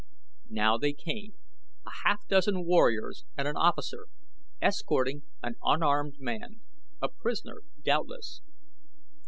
Now they came a half dozen warriors and an officer, escorting an unarmed man; a prisoner, doubtless.